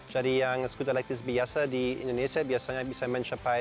jadi yang skuter elektris biasa di indonesia biasanya bisa mencapai